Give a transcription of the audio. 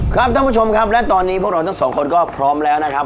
ท่านผู้ชมครับและตอนนี้พวกเราทั้งสองคนก็พร้อมแล้วนะครับ